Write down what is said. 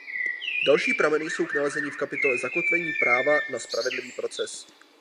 Další prameny jsou k nalezení v kapitole Zakotvení práva na spravedlivý proces.